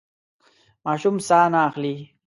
ماشوم ساه نه اخلي.